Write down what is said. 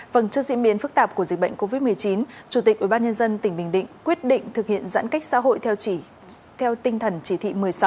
vâng trước diễn biến phức tạp của dịch bệnh covid một mươi chín chủ tịch ubnd tỉnh bình định quyết định thực hiện giãn cách xã hội theo tinh thần chỉ thị một mươi sáu